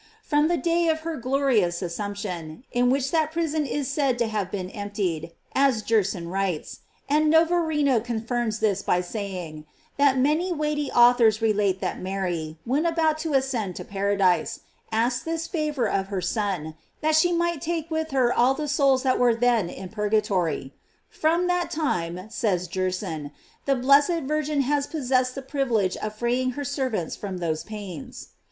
From the day of her glorious assumption, in which that prison is said to have been emptied, f as Gerson writes; and Novarino confirms this by saying, that many weighty authors relate that Mary, when about to ascend to paradise, asked this favor of her Son, that she might take with her all the souls that were then in purgatory ;J from that time, says Gerson, the blessed Virgin has possessed the privilege of freeing her servants from those pains.